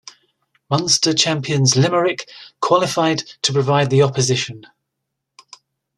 Munster champions Limerick qualified to provide the opposition.